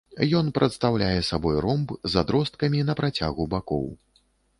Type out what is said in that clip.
Ён прадстаўляе сабой ромб з адросткамі на працягу бакоў.